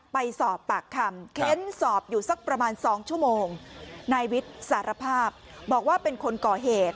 ไปสอบปากคำเค้นสอบอยู่สักประมาณสองชั่วโมงนายวิทย์สารภาพบอกว่าเป็นคนก่อเหตุ